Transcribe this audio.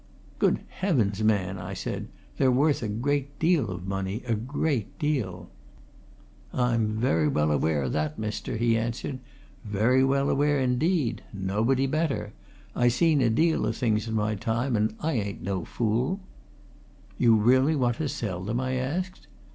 "Good heavens, man!" I said. "They're worth a great deal of money a great deal." "I'm very well aware o' that, mister," he answered. "Very well aware indeed nobody better. I seen a deal o' things in my time, and I ain't no fool." "You really want to sell them?" I asked.